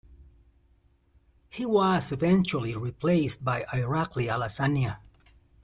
He was eventually replaced by Irakli Alasania.